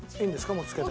もうつけて。